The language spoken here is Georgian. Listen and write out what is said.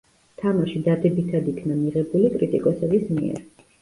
თამაში დადებითად იქნა მიღებული კრიტიკოსების მიერ.